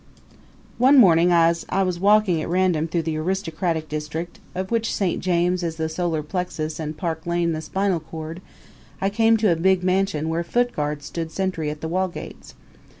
One morning as I was walking at random through the aristocratic district, of which St. James is the solar plexus and Park Lane the spinal cord, I came to a big mansion where foot guards stood sentry at the wall gates.